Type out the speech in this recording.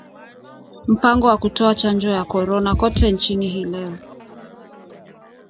MPANGO WA KUTOA CHANJO YA CORONA KOTE NCHINI HII LEO